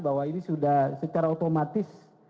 bahwa ini sudah secara otomatis